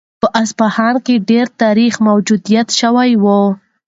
په اصفهان کې ډېر تاریخي جوماتونه جوړ شوي وو.